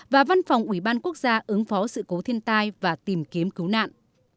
và văn phòng ủy ban quốc gia ứng phó sự cố thiên tai và tìm kiếm cứu nạn